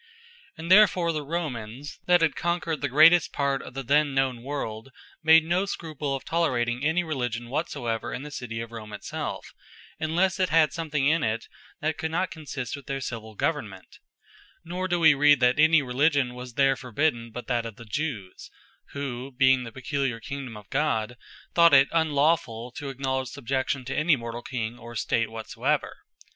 And therefore the Romans, that had conquered the greatest part of the then known World, made no scruple of tollerating any Religion whatsoever in the City of Rome it selfe; unlesse it had somthing in it, that could not consist with their Civill Government; nor do we read, that any Religion was there forbidden, but that of the Jewes; who (being the peculiar Kingdome of God) thought it unlawfull to acknowledge subjection to any mortall King or State whatsoever.